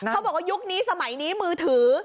เขาบอกว่ายุคนี้สมัยนี้มือถือ